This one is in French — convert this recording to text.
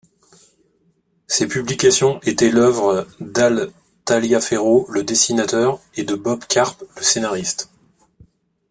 Ces publications étaient l'œuvre d'Al Taliaferro, le dessinateur et de Bob Karp, le scénariste.